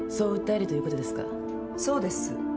そうです。